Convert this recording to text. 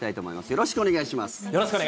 よろしくお願いします。